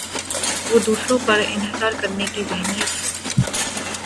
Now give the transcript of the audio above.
وہ دوسروں پر انحصار کرنے کی ذہنیت ہے۔